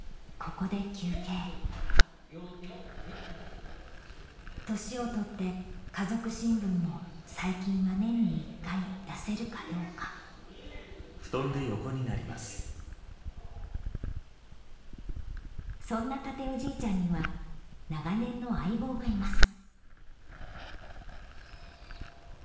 ここで休憩年を取って「家族新聞」も最近は年に１回出せるかどうかそんな健夫じいちゃんには長年の相棒がいます